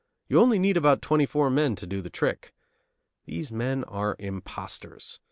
You only need about twenty four men to do the trick. These men are impostors.